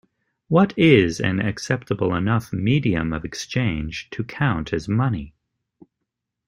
What is an acceptable enough medium of exchange to count as money?